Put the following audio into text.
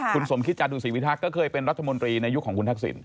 คุณสมคิตจาตุศีพิทักษ์ก็เคยเป็นรัฐมนตรีในยุคของคุณทักษิณ